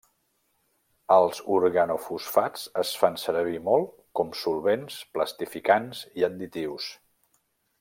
Els organofosfats es fan servir molt com solvents, plastificants i additius.